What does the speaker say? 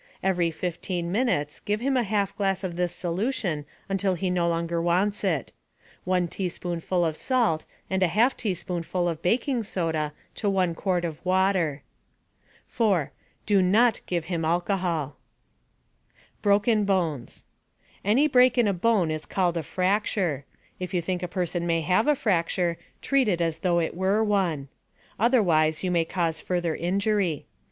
Every 15 minutes give him a half glass of this solution until he no longer wants it: One teaspoonful of salt and a half teaspoonful of baking soda to one quart of water. 4. Do not give him alcohol. BROKEN BONES Any break in a bone is called a fracture. If you think a person may have a fracture, treat it as though it were one. Otherwise, you may cause further injury.